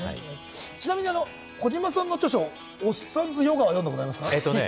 ちなみに児嶋さんの著書、『おっさんずヨガ』は読んだことありますかね？